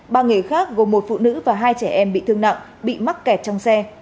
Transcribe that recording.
ba người khác gồm một phụ nữ và hai trẻ em bị thương nặng bị mắc kẹt trong xe